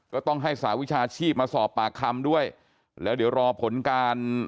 ก็ต้องให้สาวิชาชีพมาสอบปากคำด้วยแล้วเดี๋ยวรอผลการ